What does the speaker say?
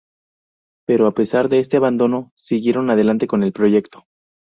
Pero a pesar de este abandono siguieron adelante con el proyecto.